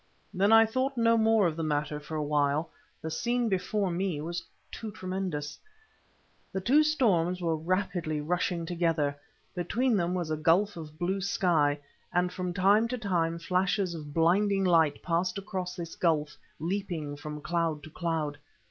Then I thought no more of the matter for a while, the scene before me was too tremendous. The two storms were rapidly rushing together. Between them was a gulf of blue sky, and from time to time flashes of blinding light passed across this gulf, leaping from cloud to cloud.